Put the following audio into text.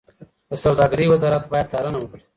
د سوداګرۍ وزارت باید څارنه وکړي.